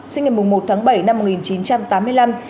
sinh ngày một tháng bảy năm một nghìn chín trăm tám mươi năm